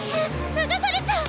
ながされちゃう！